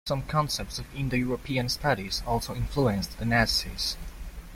Some concepts of Indo-European studies also influenced the Nazis.